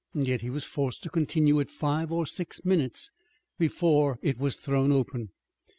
Yet he was forced to continue it five or six minutes before it was thrown open.